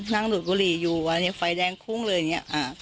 นั่งหลุดบุหรี่อยู่อันนี้ไฟแดงคุ้งเลยเนี้ย